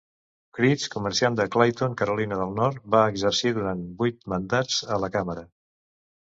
Creech, comerciant de Clayton, Carolina del Nord, va exercir durant vuit mandats a la càmera.